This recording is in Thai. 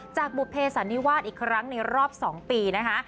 บุภเสันนิวาสอีกครั้งในรอบ๒ปีนะคะ